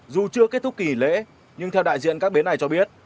dù chưa kết thúc kỷ lễ nhưng theo đại diện các bến này cho biết